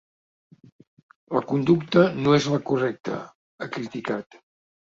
La conducta no és la correcta, ha criticat.